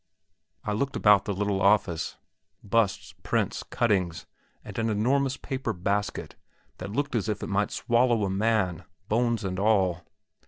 I looked about the little office busts, prints, cuttings, and an enormous paper basket, that looked as if it might swallow a man, bones and all.